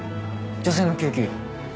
女性の救急医。